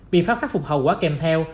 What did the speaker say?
biện pháp khắc phục hậu quả kèm theo